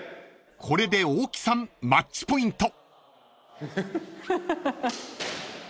［これで大木さんマッチポイント］